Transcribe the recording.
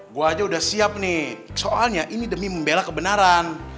gue aja udah siap nih soalnya ini demi membela kebenaran